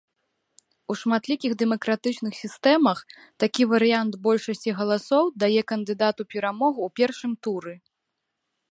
У шматлікіх дэмакратычных сістэмах, такі варыянт большасці галасоў дае кандыдату перамогу ў першым туры.